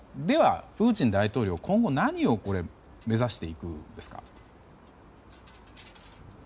では、プーチン大統領は今後何を目指していくんですか？